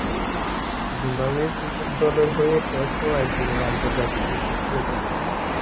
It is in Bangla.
জিম্বাবুয়ে ক্রিকেট দলের হয়ে টেস্ট ও একদিনের আন্তর্জাতিক ক্রিকেট খেলছেন।